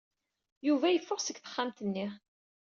Yuba yeffeɣ seg texxamt-nni.